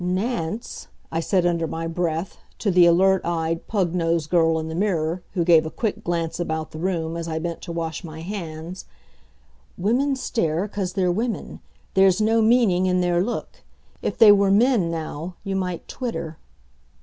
"Nance," I said under my breath, to the alert eyed, pug nosed girl in the mirror, who gave a quick glance about the room as I bent to wash my hands, "women stare 'cause they're women. There's no meaning in their look. If they were men, now, you might twitter."